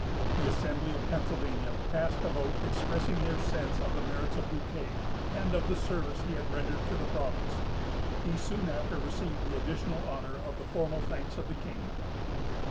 The Assembly of Pennsylvania passed a vote expressing their sense of the merits of Bouquet, and of the service he had rendered to the province. He soon after received the additional honor of the formal thanks of the King.